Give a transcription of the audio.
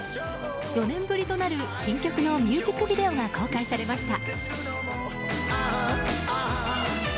４年ぶりとなる新曲のミュージックビデオが公開されました。